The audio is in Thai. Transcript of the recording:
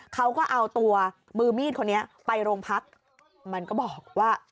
เขาก็เอาตัวมือมีดคนนี้ไปโรงพักมันก็บอกว่า